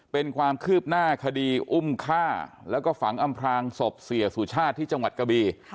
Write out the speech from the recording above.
เป็นความคืบหน้าคดีอุ้มฆ่าแล้วก็ฝังอำพลางศพเสียสุชาติที่จังหวัดกะบี